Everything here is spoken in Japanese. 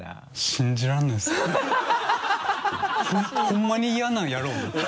ほんまに嫌なんやろうなと。